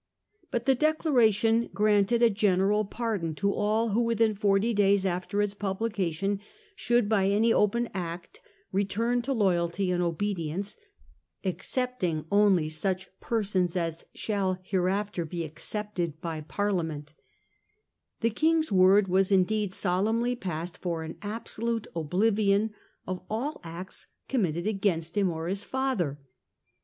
But the Declaration granted a general pardon to all who within forty days after its publication should by any open act return to loyalty and obedience, excepting only such persons as shall hereafter be excepted by Parliament, The King's word was indeed solemnly passed for an absolute oblivion of all acts committed against him or his father.